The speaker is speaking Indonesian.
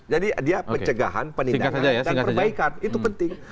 jadi dia pencegahan penindakan dan perbaikan itu penting